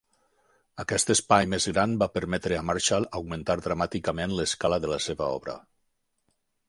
Aquest espai més gran va permetre a Marshall augmentar dramàticament l'escala de la seva obra.